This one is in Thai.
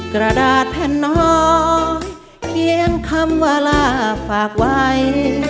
กระดาษแผ่นน้อยเพียงคำว่าลาฝากไว้